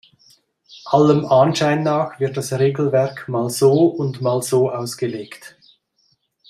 Allem Anschein nach wird das Regelwerk mal so und mal so ausgelegt.